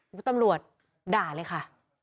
ตำรวจด่าเลยค่ะ